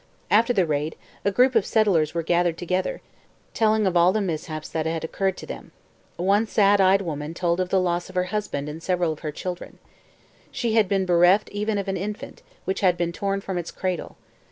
After the raid, a group of settlers were gathered together, telling of all the mishaps that had occurred to them. One sad eyed woman told of the loss of her husband and several of her children. She had been bereft even of an infant, which had been torn from its cradle.